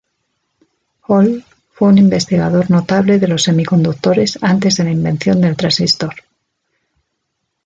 Ohl fue un investigador notable de los semiconductores antes de la invención del transistor.